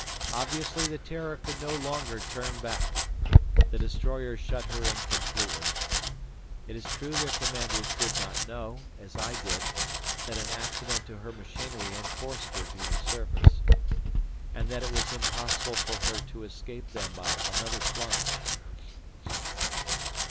Obviously the "Terror" could no longer turn back. The destroyers shut her in completely. It is true their commanders did not know, as I did, that an accident to her machinery had forced her to the surface, and that it was impossible for her to escape them by another plunge.